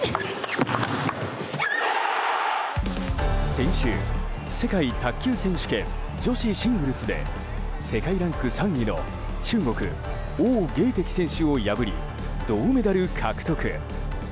先週、世界卓球選手権女子シングルスで世界ランク３位の中国、オウ・ゲイテキ選手を破り銅メダル獲得。